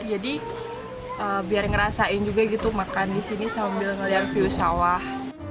jadi biar ngerasain juga gitu makan di sini sambil ngeliat view sawah